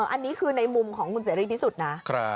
อันนี้คือในมุมของคุณเสรีพิสุทธิ์นะ